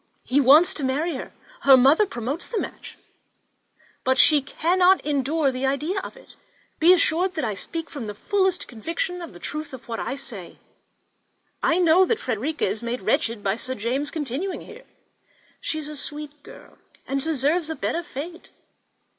He wants to marry her; her mother promotes the match, but she cannot endure the idea of it. Be assured that I speak from the fullest conviction of the truth of what I say; I know that Frederica is made wretched by Sir James's continuing here. She is a sweet girl, and deserves a better fate.